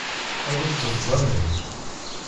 Awi-d ṭṭezḍam-im.